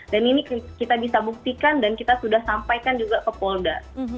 dan ini kita bisa buktikan dan kita sudah sampaikan juga ke polda